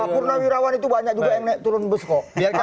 purnawirawan itu banyak juga yang naik turun bus kok